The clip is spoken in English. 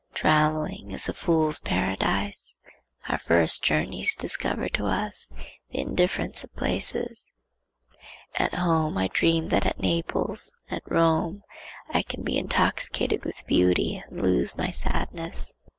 Travelling is a fool's paradise. Our first journeys discover to us the indifference of places. At home I dream that at Naples, at Rome, I can be intoxicated with beauty and lose my sadness.